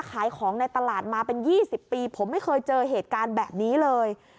ขายของในตลาดมาเป็น๒๐ปีผมไม่เคยเจอเหตุการณ์แบบนี้เลย